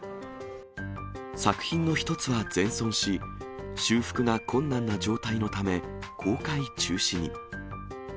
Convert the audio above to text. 作品の１つは全損し、修復が困難な状態のため公開中止に。